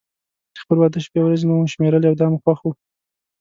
د خپل واده شپې او ورځې مو شمېرله او دا مو خوښ و.